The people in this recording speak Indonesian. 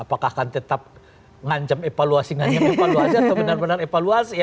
apakah akan tetap mengancam evaluasi mengancam evaluasi atau benar benar evaluasi ya